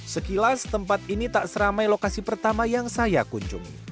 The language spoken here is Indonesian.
sekilas tempat ini tak seramai lokasi pertama yang saya kunjungi